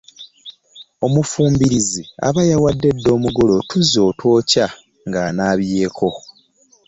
Omufumbirizi aba yawadde dda omugole otuzzi otwokya ng’anaabyeko.